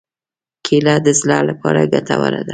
کېله د زړه لپاره ګټوره ده.